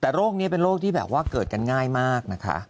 แต่โรคนี้เป็นโรคที่แบบว่าเกิดกันง่ายมากนะคะ